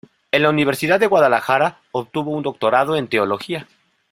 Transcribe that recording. En la Universidad de Guadalajara obtuvo un doctorado en teología.